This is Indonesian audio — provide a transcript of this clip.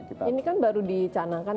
ini kan baru dicanakan